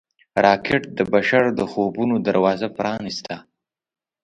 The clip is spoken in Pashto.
راکټ د بشر د خوبونو دروازه پرانیسته